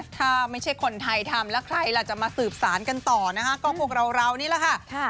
ถ้าไม่ใช่คนไทยทำแล้วใครล่ะจะมาสืบสารกันต่อนะคะก็พวกเรานี่แหละค่ะ